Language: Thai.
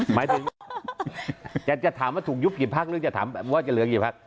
หมายถึงจะถามว่าถูกยุบกี่พักหรือจะถามว่าจะเหลือกี่พัก